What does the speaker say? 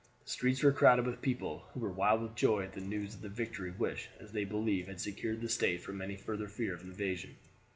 The streets were crowded with people, who were wild with joy at the news of the victory which, as they believed, had secured the State from any further fear of invasion.